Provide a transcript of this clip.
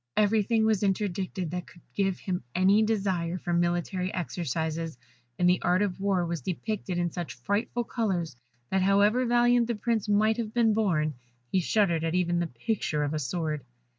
Everything was interdicted that could give him any desire for military exercises, and the art of war was depicted in such frightful colours that, however valiant the Prince might have been born, he shuddered at even the picture of a sword.